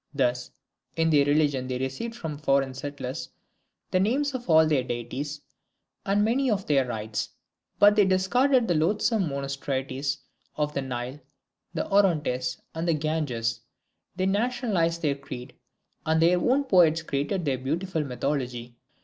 Thus, in their religion they received from foreign settlers the names of all their deities and many of their rites, but they discarded the loathsome monstrosities of the Nile, the Orontes, and the Ganges; they nationalized their creed; and their own poets created their beautiful mythology.